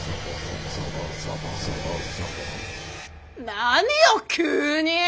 何よ急に！